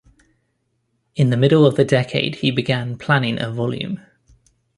In the middle of the decade he began planning a volume.